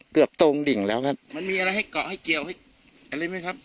ตรงดิ่งแล้วครับมันมีอะไรให้เกาะให้เกี่ยวให้อะไรไหมครับ